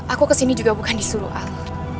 aku kesini juga bukan disuruh al